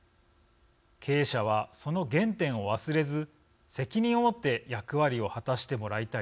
経営者はその原点を忘れず責任を持って役割を果たしてもらいたいと思います。